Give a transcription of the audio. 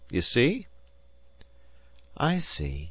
You see?" "I see.